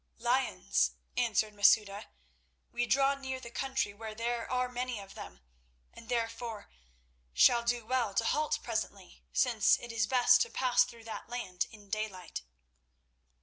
"Lions," answered Masouda. "We draw near the country where there are many of them, and therefore shall do well to halt presently, since it is best to pass through that land in daylight."